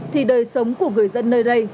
thì đời sống của người dân nơi đây